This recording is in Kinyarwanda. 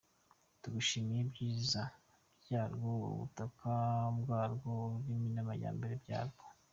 Tugushimiye ibyiza byarwo, ubutaka bwarwo, ururimi n’amajyambere byarwo.